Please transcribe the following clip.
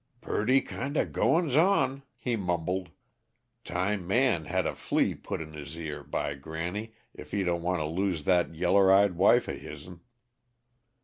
"Purty kinda goings on!" he mumbled. "Time Man had a flea put in 'is ear, by granny, if he don't want to lose that yeller eyed wife of hisn."